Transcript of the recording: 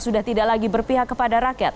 sudah tidak lagi berpihak kepada rakyat